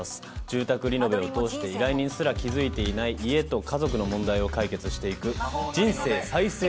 住宅リノベを通して依頼人すら気付いていない家と家族の問題を解決していく人生再生